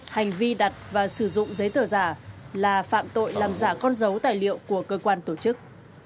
hành vi đặt và sử dụng giấy tờ giả là phạm tội làm giả con dấu tài liệu của cơ quan tổ chức